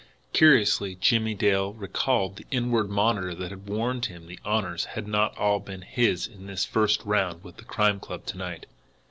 Curiously now Jimmie Dale recalled the inward monitor that had warned him the honours had not all been his in this first round with the Crime Club to night.